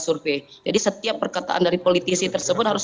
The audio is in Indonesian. survei jadi setiap perkataan dari politisi tersebut harus